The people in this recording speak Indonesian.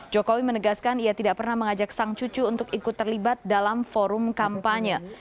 jokowi menegaskan ia tidak pernah mengajak sang cucu untuk ikut terlibat dalam forum kampanye